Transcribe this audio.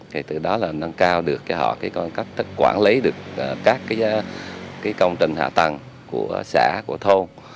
thì từ đó là nâng cao được cho họ cách quản lý được các công trình hạ tầng của xã của thôn